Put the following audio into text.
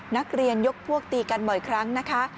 นักเรียนยกพวกตีกันบ่อยครั้งนะคะ